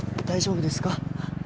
大丈夫ですか？